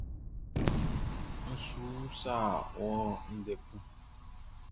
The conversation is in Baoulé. N su usa wɔ ndɛ kun.